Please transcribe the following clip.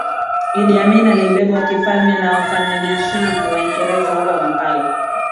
Idi Amin alibebwa kifalme na wafanyabiashara Waingereza huko Kampala